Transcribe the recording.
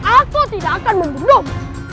aku tidak akan menunduk